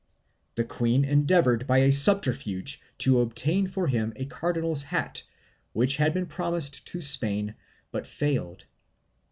The queen endeavored by a subterfuge to obtain for him a cardinal's hat, which had been promised to Spain, but failed.